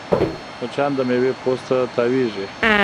مچان د میوې پوست ته تاوېږي